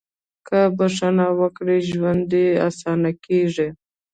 • که بښنه وکړې، ژوند دې اسانه کېږي.